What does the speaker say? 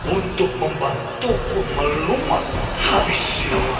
untuk membantuku melumat habis